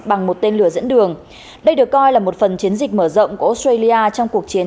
bằng một tên lửa dẫn đường đây được coi là một phần chiến dịch mở rộng của australia trong cuộc chiến